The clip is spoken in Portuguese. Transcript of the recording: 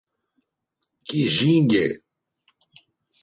Quijingue